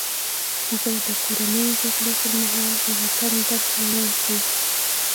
هغې د کورنیو جګړو پر مهال د وطن درد بیان کړ